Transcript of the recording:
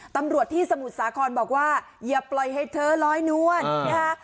ตำรวจที่สมุทรสาครบอกว่าอย่าปล่อยให้เธอลอยนวลนะคะ